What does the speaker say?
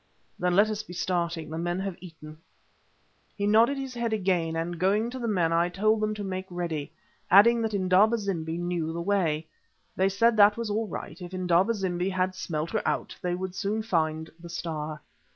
"Then let us be starting; the men have eaten." He nodded his head again, and going to the men I told them to make ready, adding that Indaba zimbi knew the way. They said that was all right, if Indaba zimbi had "smelt her out," they should soon find the Star.